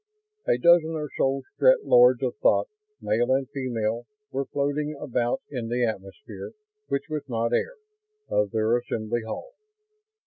A dozen or so Strett Lords of Thought, male and female, were floating about in the atmosphere which was not air of their Assembly Hall.